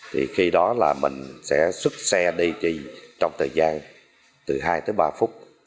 thì khi đó là mình sẽ xuất xe đi trong thời gian từ hai tới ba phút